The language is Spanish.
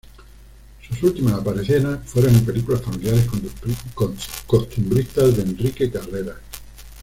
Sus últimas apariciones fueron en películas familiares costumbristas de Enrique Carreras.